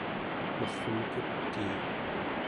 mer'em kutii